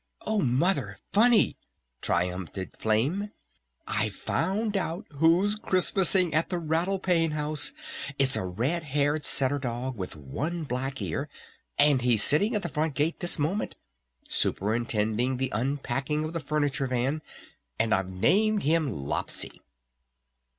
"O Mother Funny!" triumphed Flame. "I've found out who's Christmasing at the Rattle Pane House! It's a red haired setter dog with one black ear! And he's sitting at the front gate this moment! Superintending the unpacking of the furniture van! And I've named him Lopsy!"